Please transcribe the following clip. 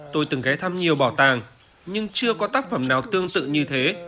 tôi từng ghé thăm nhiều bảo tàng nhưng chưa có tác phẩm nào tương tự như thế